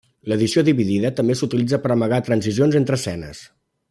L'edició dividida també s'utilitza per amagar transicions entre escenes.